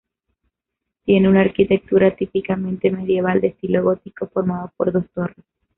Tiene una arquitectura típicamente medieval, de estilo gótico, formado por dos torres.